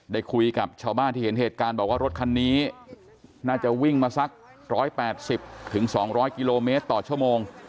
ได้คุยกับชาวบ้านที่เห็นเหตุการณ์บอกว่ารถคันนี้น่าจะวิ่งมาสัก๑๘๐๒๐๐กิโลเมตรต่อชั่วโมง